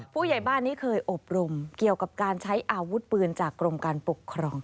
ผู้ใหญ่บ้านนี้เคยอบรมเกี่ยวกับการใช้อาวุธปืนจากกรมการปกครอง